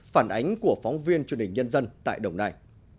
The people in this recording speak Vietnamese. phản ánh của phóng viên truyền hình nhân dân tại đồng nai